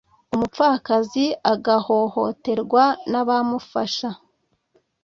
umupfakazi agahohoterwa n’abamufasha